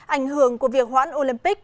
ảnh hưởng của việc hoãn olympic